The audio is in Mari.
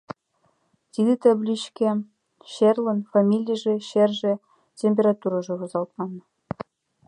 Тиде табличкеш черлын фамилийже, черже, температурыжо возалтман!